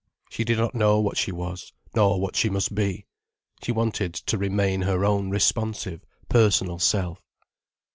She did not know what she was, nor what she must be. She wanted to remain her own responsive, personal self.